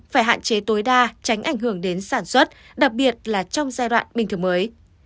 phải hạn chế tối đa tránh ảnh hưởng đến sản xuất đặc biệt là trong giai đoạn bình thường mới